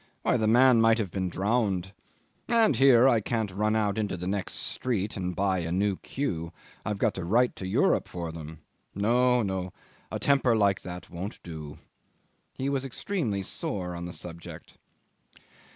Why, the man might have been drowned! And here I can't run out into the next street and buy a new cue. I've got to write to Europe for them. No, no! A temper like that won't do!" ... He was extremely sore on the subject.